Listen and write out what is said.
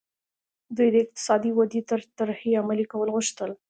دوی د اقتصادي ودې د طرحې عملي کول غوښتل.